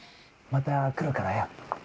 また来るからよ。